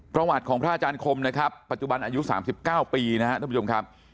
ประวัติของพระอาจารย์คมนะครับปัจจุบันอายุ๓๙ปีนะครับท่านผู้ชมครับ